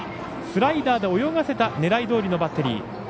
スライダーで泳がせた狙いどおりのバッテリー。